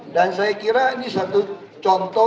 dan saya kira ini satu contoh